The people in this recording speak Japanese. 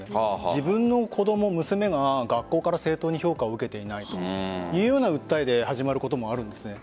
自分の子供、娘が学校から正当に評価を受けていないというような訴えで始まることもあるんです。